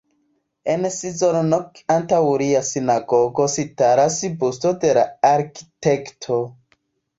En Szolnok antaŭ lia sinagogo staras busto de la arkitekto.